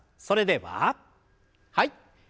それでははい。